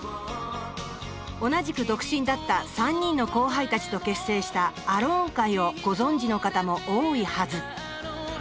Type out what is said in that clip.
同じく独身だった３人の後輩たちと結成したアローン会をご存じの方も多いはず。